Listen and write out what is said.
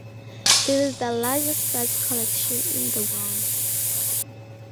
It is the largest such collection in the world.